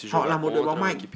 họ là một đội bóng mạnh